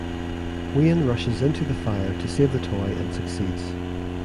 Wayne rushes into the fire to save the toy and succeeds.